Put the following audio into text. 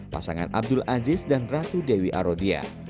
pasangan abdul aziz dan ratu dewi arodia